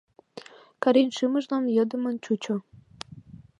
Корин шӱмжылан йӧндымын чучо.